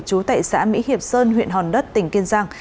chú tại xã mỹ hiệp sơn huyện hòn đất tỉnh kiên giang